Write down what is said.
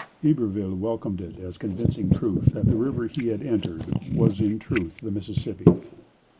Iberville welcomed it as convincing proof that the river he had entered was in truth the Mississippi.